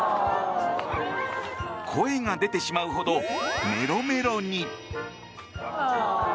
声が出てしまうほどメロメロに。